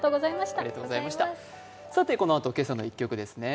このあとは「けさの１曲」です。